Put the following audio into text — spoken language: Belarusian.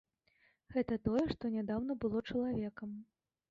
Гэта тое, што нядаўна было чалавекам!